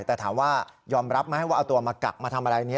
แต่ถามว่ายอมรับไหมว่าเอาตัวมากักมาทำอะไรนี้